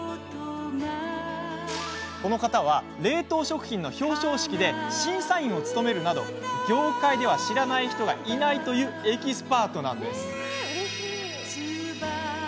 この方は冷凍食品の表彰式で審査員を務めるなど業界では知らない人がいないというエキスパートなんです。